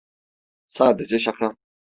Sadece şaka.